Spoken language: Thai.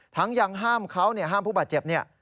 ยังห้ามเขาห้ามผู้บาดเจ็บเนี่ย